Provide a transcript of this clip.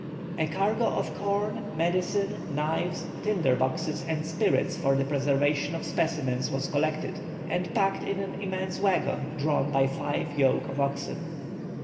A cargo of corn, medicine, knives, tinder boxes, and spirits for the preservation of specimens was collected, and packed in an immense waggon, drawn by five yoke of oxen.